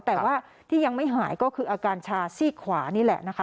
แต่ว่าที่ยังไม่หายก็คืออาการชาซีกขวานี่แหละนะคะ